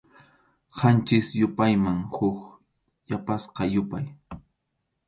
Qanchis yupayman huk yapasqa yupay.